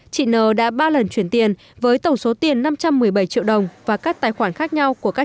chị nờ đã ba lần chuyển tiền với tổng số tiền năm trăm một mươi bảy triệu đồng và các tài khoản khác nhau của các